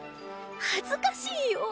恥ずかしいよぉ。